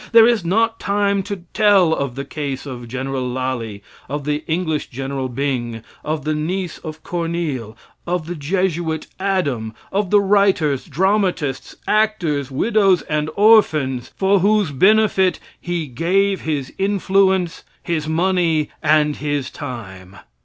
There is not time to tell of the case of Gen. Lally, of the English Gen. Byng, of the niece of Corneille, of the Jesuit Adam, of the writers, dramatists, actors, widows and orphans for whose benefit he gave his influence, his money and his time.